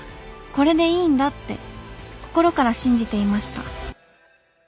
これでいいんだって心から信じていました。